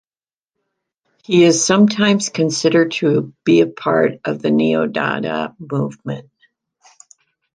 He is sometimes considered to be a part of the Neo-Dada movement.